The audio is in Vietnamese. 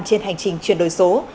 trên hành trình chuyển đổi số